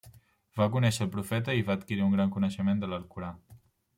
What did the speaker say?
Va conèixer el Profeta i va adquirir un gran coneixement de l'alcorà.